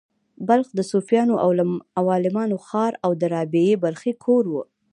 بلخ د صوفیانو او عالمانو ښار و او د رابعې بلخۍ کور و